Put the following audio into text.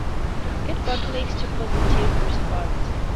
It got mixed to Positive response.